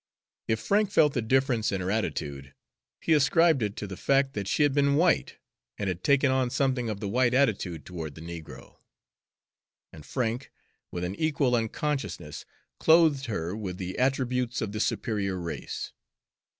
If Frank felt the difference in her attitude, he ascribed it to the fact that she had been white, and had taken on something of the white attitude toward the negro; and Frank, with an equal unconsciousness, clothed her with the attributes of the superior race.